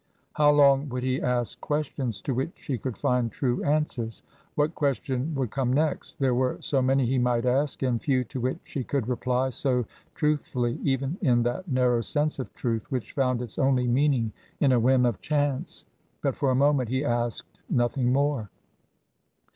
How long would he ask questions to which she could find true answers? What question would come next? There were so many he might ask and few to which she could reply so truthfully even in that narrow sense of truth which found its only meaning in a whim of chance. But for a moment he asked nothing more.